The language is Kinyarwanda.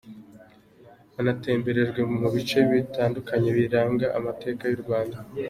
Banatemberejwe mu bice bitandukanye biranga amateka y’u Rwanda.